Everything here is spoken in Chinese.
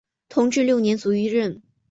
同治六年卒于任。